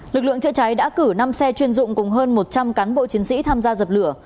lực lượng chữa cháy đã cử năm xe chuyên dụng cùng hơn một trăm linh cán bộ chiến sĩ tham gia dập lửa